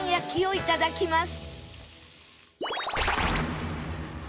いただきます。